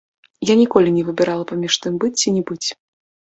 Я ніколі не выбірала паміж тым быць ці не быць.